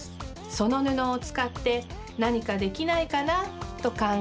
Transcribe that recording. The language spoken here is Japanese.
その布をつかってなにかできないかなとかんがえ